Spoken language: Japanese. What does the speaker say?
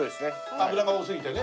脂が多すぎてね。